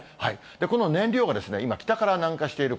この燃料が今、北から南下している